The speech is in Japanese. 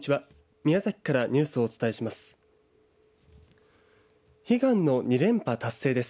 宮崎からニュースをお伝えします。